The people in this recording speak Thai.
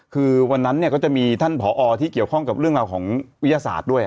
คือวันนั้นเนี่ยก็จะมีท่านผอที่เกี่ยวข้องกับเรื่องราวของวิทยาศาสตร์ด้วย